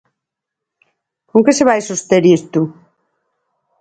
¿Con que se vai soster isto?